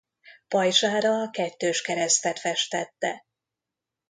Pajzsára a kettős keresztet festette.